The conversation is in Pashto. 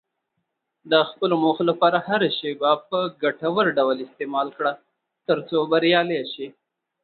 د خپلو موخو لپاره هره شېبه په ګټور ډول استعمال کړه، ترڅو بریالی شې.